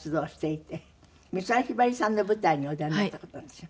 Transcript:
美空ひばりさんの舞台にお出になった事あるんでしょ？